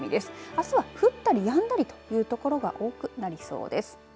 あすは降ったりやんだりという所が多くなりそうです。